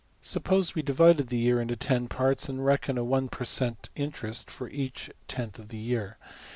Suppose we divided the year into $10$~parts, and reckon a one per cent.\ interest for each tenth of the year.